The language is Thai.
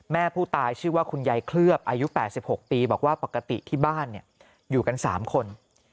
แม่ผู้ตายชื่อว่าคุณยายเคลือบอายุ๘๖ปีบอกว่าปกติที่บ้านอยู่กัน๓คน